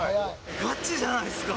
ガチじゃないですか！